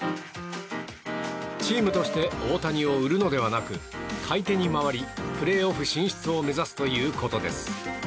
チームとして大谷を売るのではなく買い手に回り、プレーオフ進出を目指すということです。